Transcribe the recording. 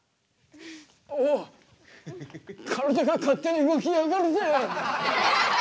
おお体が勝手に動きやがるぜ。